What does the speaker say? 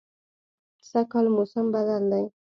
سږکال موسم بدل دی